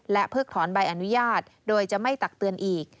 เพิกถอนใบอนุญาตโดยจะไม่ตักเตือนอีก